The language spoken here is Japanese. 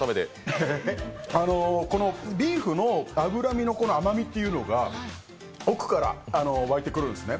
このビーフの脂身の甘みっていうのが奥から湧いてくるんですね。